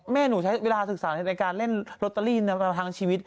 หนูใช้เวลาศึกษาในการเล่นโรตเตอรี่ในทางชีวิต